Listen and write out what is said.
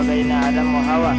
allah ta'ala yang menjaga kita